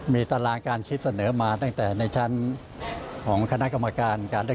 มีตารางการคิดเสนอมาตั้งแต่ในชั้นของคณะกรรมการการ